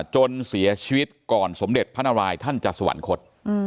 จนเสียชีวิตก่อนสมเด็จพระนารายท่านจะสวรรคต